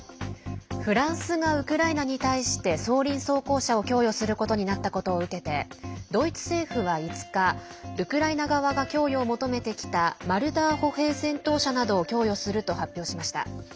フランスがウクライナに対して装輪装甲車を供与することになったことを受けてドイツ政府は５日ウクライナ側が供与を求めてきたマルダー歩兵戦闘車などを供与すると発表しました。